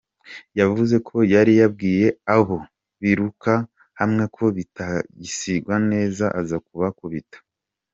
Yavuze ko yari yabwiye abo biruka hamwe ko nibatasiganwa neza aza kubakubita.